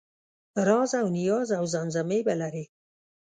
رازاونیازاوزمزمې به لرې